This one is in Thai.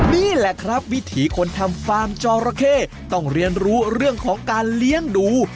นี่แหละครับวิถีคนทำฟาร์มจอระเข้ต้องเรียนรู้เรื่องของการเลี้ยงดู